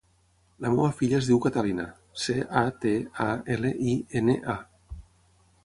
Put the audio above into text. La meva filla es diu Catalina: ce, a, te, a, ela, i, ena, a.